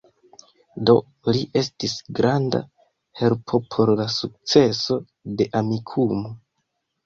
Do, li estis granda helpo por la sukceso de Amikumu